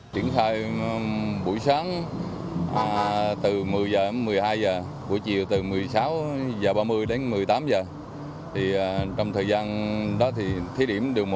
triển khai buổi sáng từ một mươi h đến một mươi hai h buổi chiều từ một mươi sáu h ba mươi đến một mươi tám h trong thời gian đó thì thí điểm điều một